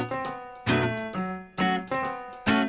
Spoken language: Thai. สปาเกตตี้ปลาทู